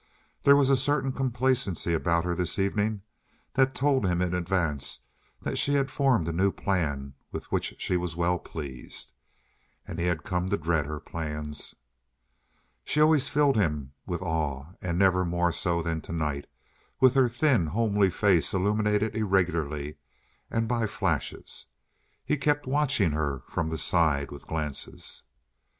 There was a certain complacency about her this evening that told him in advance that she had formed a new plan with which she was well pleased. And he had come to dread her plans. She always filled him with awe and never more so than tonight, with her thin, homely face illuminated irregularly and by flashes. He kept watching her from the side, with glances.